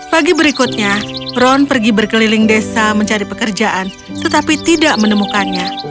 pagi berikutnya ron pergi berkeliling desa mencari pekerjaan tetapi tidak menemukannya